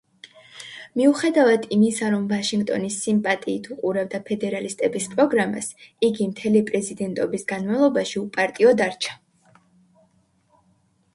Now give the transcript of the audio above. მიუხედავად იმისა, რომ ვაშინგტონი სიმპათიით უყურებდა ფედერალისტების პროგრამას, იგი მთელი პრეზიდენტობის განმავლობაში უპარტიო დარჩა.